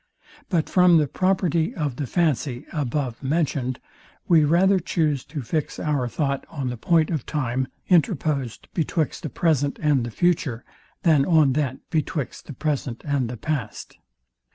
But from the property of the fancy above mentioned we rather chuse to fix our thought on the point of time interposed betwixt the present and the future, than on that betwixt the present and the past.